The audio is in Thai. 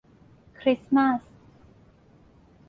คริสต์มาส